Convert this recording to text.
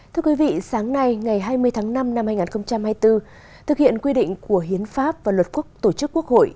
thưa quý vị sáng nay ngày hai mươi tháng năm năm hai nghìn hai mươi bốn thực hiện quy định của hiến pháp và luật quốc tổ chức quốc hội